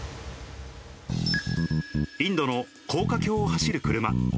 インドの高架橋を走る車。